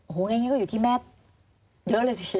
โอ้โหอย่างนี้ก็อยู่ที่แม่เยอะเลยสิ